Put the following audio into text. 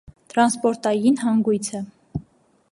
Տրանսպորտային հանգոյց է։